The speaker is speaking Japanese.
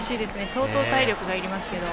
相当、体力がいりますけど。